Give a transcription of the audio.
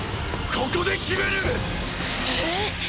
ここで決める！！